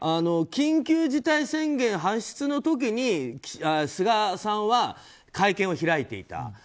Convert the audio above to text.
緊急事態宣言発出の時に菅さんは、会見を開いていた。